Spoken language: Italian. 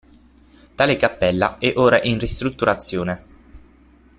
Tale cappella è ora in ristrutturazione.